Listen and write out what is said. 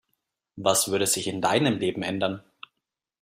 Was würde sich in deinem Leben ändern?